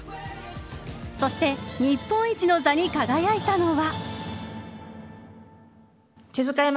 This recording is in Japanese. そして日本一の座に輝いたのは。